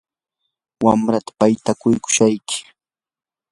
wamrataa paytakushayki.